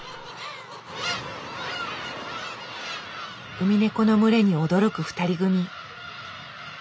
ウミネコの群れに驚く２人組。